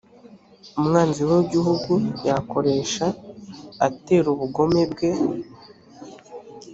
umwanzi w’lgihugu yakoresha atera ubugome bwe‽